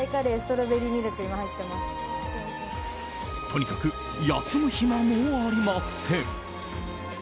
とにかく休む暇もありません。